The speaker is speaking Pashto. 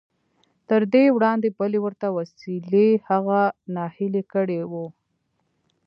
تر دې وړاندې بلې ورته وسیلې هغه ناهیلی کړی و